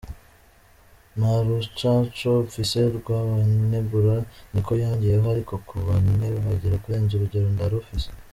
"Nta rucanco mfise rw'abanegura", ni ko yongeyeko " ariko ku banebagura kurenza urugero ndarufise".